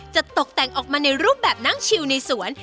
ตกแต่งออกมาในรูปแบบนั่งชิวในสวน